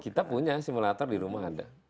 kita punya simulator di rumah ada